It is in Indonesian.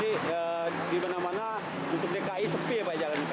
jadi di mana mana untuk dki sepi ya pak jalan